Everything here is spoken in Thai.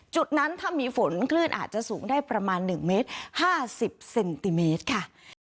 จุดนั้นถ้ามีฝนคลื่นอาจจะสูงได้ประมาณ๑เมตร๕๐เซนติเมตรค่ะ